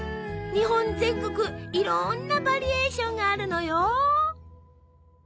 日本全国いろんなバリエーションがあるのよ。